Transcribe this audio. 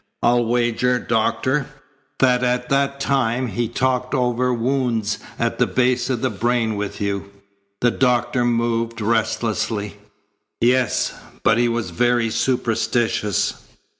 I'll wager, Doctor, that at that time he talked over wounds at the base of the brain with you." The doctor moved restlessly. "Yes. But he was very superstitious.